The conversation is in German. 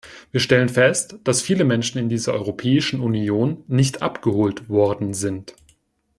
Wir stellen fest, dass viele Menschen in dieser Europäischen Union nicht "abgeholt" worden sind.